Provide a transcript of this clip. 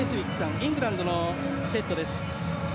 イングランドのセットです。